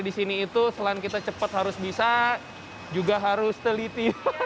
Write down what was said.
jadi di sini itu selain kita cepat harus bisa juga harus teliti